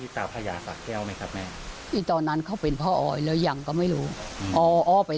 จ้ะจ้ะจ้ะสอบแล้วซึ่งได้ยายมา